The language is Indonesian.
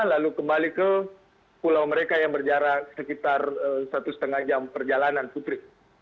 lalu kembali ke pulau mereka yang berjarak sekitar satu lima jam perjalanan putri